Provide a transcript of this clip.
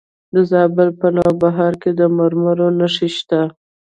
د زابل په نوبهار کې د مرمرو نښې شته.